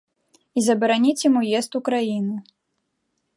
І забараніць ім уезд у краіну.